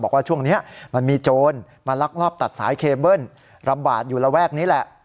บอกว่าช่วงนี้มันมีโจรมาลักลอบตัดสายเคเบิ้ลระบาดอยู่ระแวกนี้แหละ